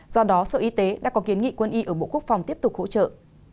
do đó sở y tế đã có kiến nghị quân y ở bộ quốc phòng tiếp tục hỗ trợ